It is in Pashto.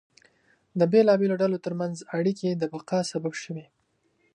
د بېلابېلو ډلو ترمنځ اړیکې د بقا سبب شوې.